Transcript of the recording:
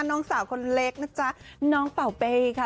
น้องสาวคนเล็กนะจ๊ะน้องเป่าเป้ค่ะ